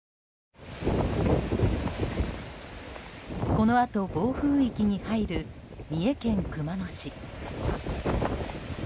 このあと、暴風域に入る三重県熊野市。